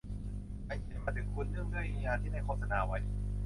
ฉันเขียนมาถึงคุณเนื่องด้วยงานที่ได้โฆษณาไว้